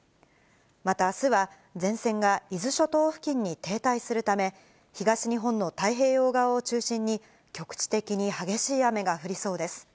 またあすは前線が伊豆諸島付近に停滞するため、東日本の太平洋側を中心に、局地的に激しい雨が降りそうです。